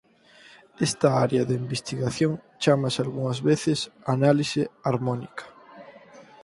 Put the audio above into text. Esta área de investigación chámase algunhas veces Análise harmónica.